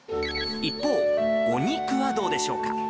一方、お肉はどうでしょうか。